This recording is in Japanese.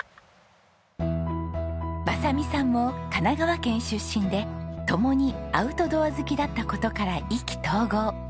昌美さんも神奈川県出身でともにアウトドア好きだった事から意気投合。